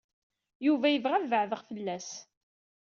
Yuba yebɣa ad beɛɛdeɣ fell-as.